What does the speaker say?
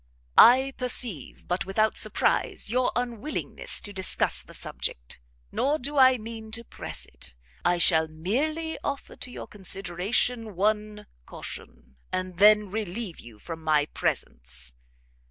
"I perceive, but without surprise, your unwillingness to discuss the subject; nor do I mean to press it: I shall merely offer to your consideration one caution, and then relieve you from my presence.